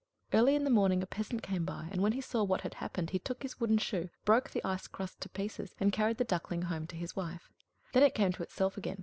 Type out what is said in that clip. Early in the morning a peasant came by, and when he saw what had happened, he took his wooden shoe, broke the ice crust to pieces, and carried the Duckling home to his wife. Then it came to itself again.